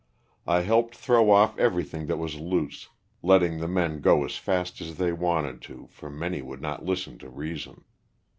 I helped throw off everything that was loose, letting the men go as fast as they wanted to, for many would not listen to reason.